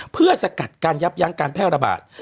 เพื่อสกัดการยับยั้งการแพร่ระบาด